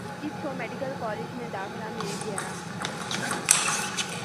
اس کو medical college میں داخلہ مل گیا